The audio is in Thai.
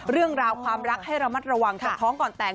เรื่องราวความรักให้ระมัดระวังจากท้องก่อนแต่ง